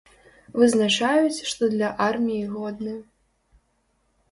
Вызначаюць, што для арміі годны.